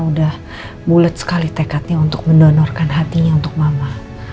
udah bulet sekali tekadnya untuk mendonorkan hatinya untuk mama